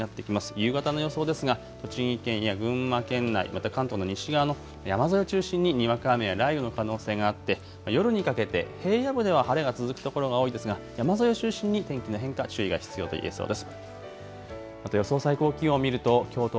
夕方の予想ですが栃木県や群馬県内、また関東の西側の山沿いを中心ににわか雨や雷雨の可能性があって夜にかけて平野部では晴れが続くところが多いですが、山沿い中心に天気の変化、注意が必要といえそうです。